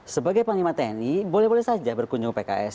sebagai panglima tni boleh boleh saja berkunjung pks